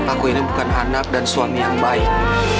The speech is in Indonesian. aku ini bukan anak dan suami yang baik